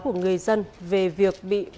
của người dân về việc bị